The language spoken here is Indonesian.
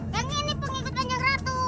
yang ini pengikut panjang ratu